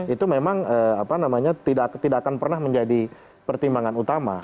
itu memang tidak akan pernah menjadi pertimbangan utama